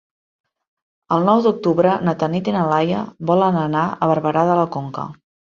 El nou d'octubre na Tanit i na Laia volen anar a Barberà de la Conca.